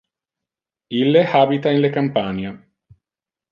Ille habita in le campania.